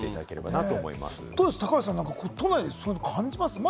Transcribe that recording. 高橋さん、都内でそういうの感じます？